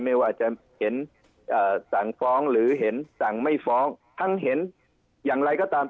ไม่ว่าจะเห็นสั่งฟ้องหรือเห็นสั่งไม่ฟ้องทั้งเห็นอย่างไรก็ตาม